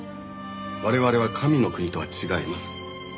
我々は神の国とは違います。